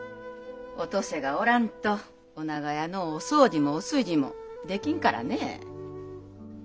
お登勢がおらんと御長屋のお掃除もお炊事もできんからね。